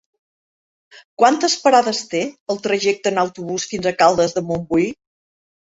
Quantes parades té el trajecte en autobús fins a Caldes de Montbui?